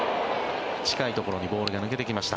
近いところにボールが抜けていきました。